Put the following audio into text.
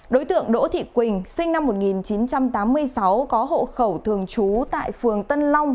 đối tượng đỗ thị quỳnh sinh năm một nghìn chín trăm tám mươi sáu có hộ khẩu thường trú tại phường tân long